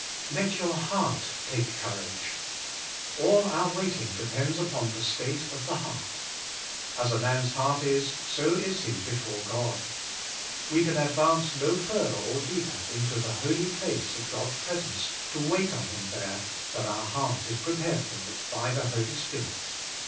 * Let your heart take courage.' All our waiting depends upon the state of the heart. As a man's heart is, so is he before God. We can advance no further or deeper into the holy place of God's presence to wait on Him there, than our heart is prepared for it by the Holy Spirit.